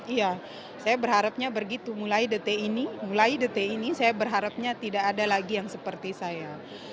iya saya berharapnya begitu mulai detik ini mulai detik ini saya berharapnya tidak ada lagi yang seperti saya